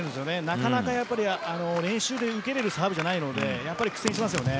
なかなか練習で受けられるサーブじゃないので苦戦しますよね。